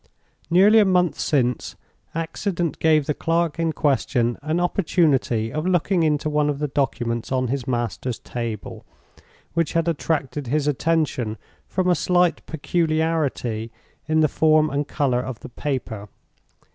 "Nearly a month since, accident gave the clerk in question an opportunity of looking into one of the documents on his master's table, which had attracted his attention from a slight peculiarity in the form and color of the paper.